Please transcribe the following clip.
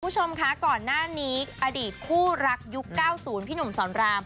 คุณผู้ชมคะก่อนหน้านี้อดีตคู่รักยุค๙๐พี่หนุ่มสอนราม